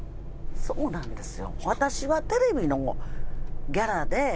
そうなんですよ。